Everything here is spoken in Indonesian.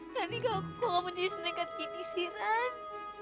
rani kalau aku kok gak mau jadi senegat gini sih ran